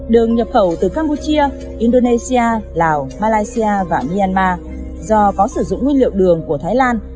đường nhập khẩu từ campuchia indonesia lào malaysia và myanmar do có sử dụng nguyên liệu đường của thái lan